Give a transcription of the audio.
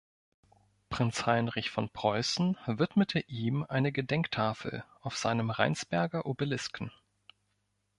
Prinz Heinrich von Preußen widmete ihm eine Gedenktafel auf seinem Rheinsberger Obelisken.